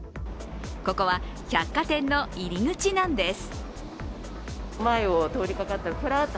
ここは、百貨店の入り口なんです。